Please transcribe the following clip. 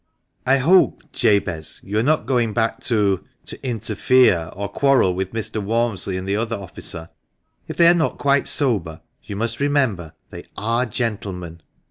" I hope, Jabez, you are not going back to — to interfere or quarrel with Mr. Walmsley and the other officer. If they are not quite sober, you must remember they are gentlemen."